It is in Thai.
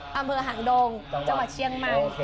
อำเภอหางดงจังหวัดเชียงใหม่